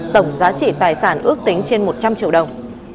tổng giá trị tài sản ước tính trên một trăm linh triệu đồng